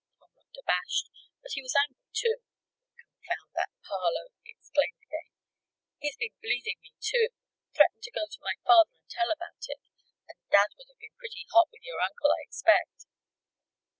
Tom looked abashed; but he was angry, too. "Confound that Parloe!" he exclaimed again. "He's been bleeding me, too! Threatened to go to my father and tell about it and Dad would have been pretty hot with your uncle, I expect."